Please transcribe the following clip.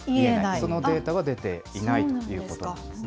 そのデータは出ていないということなんですね。